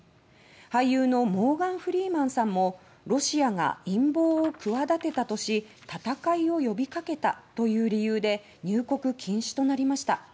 俳優のモーガン・フリーマンさんも「ロシアが陰謀を企てたとし戦いを呼びかけた」という理由で入国禁止となりました。